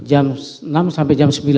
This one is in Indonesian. jam enam sampai jam sembilan